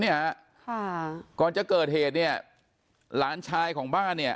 เนี่ยค่ะก่อนจะเกิดเหตุเนี่ยหลานชายของบ้านเนี่ย